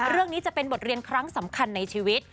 เรื่องนี้จะเป็นบทเรียนครั้งสำคัญในชีวิต